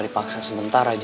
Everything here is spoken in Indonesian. dipaksa sementara aja